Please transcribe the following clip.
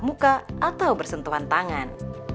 muka atau bersentuhan tangan